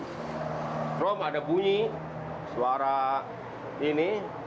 strom ada bunyi suara ini